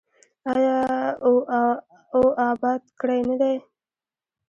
آیا او اباد کړی نه دی؟